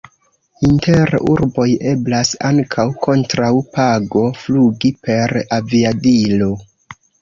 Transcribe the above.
Inter urboj eblas ankaŭ kontraŭ pago flugi per aviadilo.